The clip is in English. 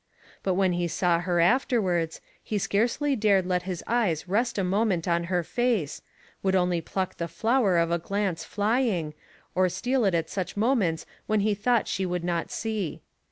But when he saw her afterwards, he scarcely dared let his eyes rest a moment on her face, would only pluck the flower of a glance flying, or steal it at such moments when he thought she would not see.